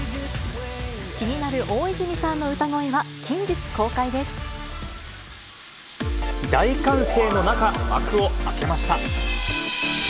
気になる大泉さんの歌声は、大歓声の中、幕を開けました。